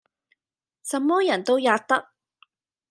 什麼人都喫得。